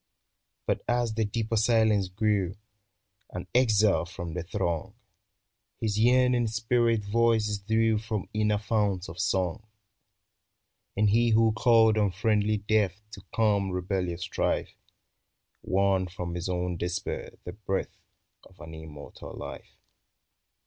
But as the deeper silence grew — An exile from the throng, His yearning spirit voices drew From inner founts of song ; And he who called unfriendly death To calm rebellious strife, Won from his own despair the breath Of an immortal life.